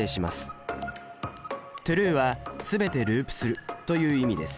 「ｔｒｕｅ」は全てループするという意味です。